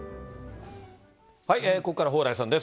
ここからは蓬莱さんです。